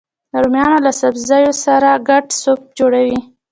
رومیان له سبزیو سره ګډ سوپ جوړوي